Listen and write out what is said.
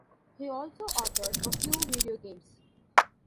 He also authored a few video games.